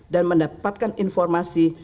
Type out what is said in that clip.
dan mendapatkan informasi